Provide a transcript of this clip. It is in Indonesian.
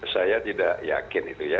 saya tidak yakin itu ya